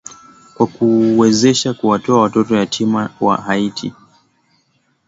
kwa kuwezesha kuwatoa watoto yatima wa haiti